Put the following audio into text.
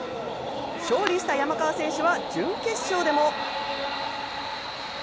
勝利した山川選手は準決勝でも。